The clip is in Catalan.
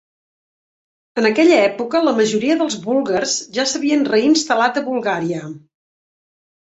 En aquella època, la majoria dels búlgars ja s'havien reinstal·lat a Bulgària.